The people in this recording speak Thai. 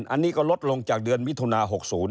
อันนี้ก็ลดลงจากเดือนมิถุนา๖๐